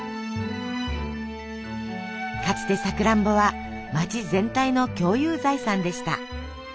かつてさくらんぼは街全体の共有財産でした。